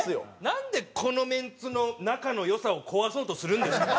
なんでこのメンツの仲の良さを壊そうとするんですか？